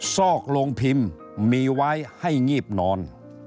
ซอกโรงพิมพ์มีไว้ให้งีบนอน